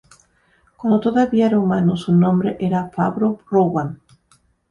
Cuando todavía era humano su nombre era Fabro Rowan.